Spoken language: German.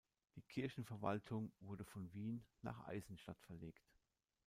Die Kirchenverwaltung wurde von Wien nach Eisenstadt verlegt.